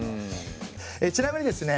ちなみにですね